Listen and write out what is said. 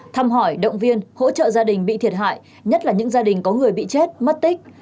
thăm hỏi động viên hỗ trợ gia đình bị thiệt hại nhất là những gia đình có người bị chết mất tích